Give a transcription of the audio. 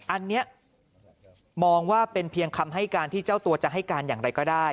อันนี้มองว่าเป็นเพียงคำให้การที่เจ้าตัวจะให้การอย่างไรก็ได้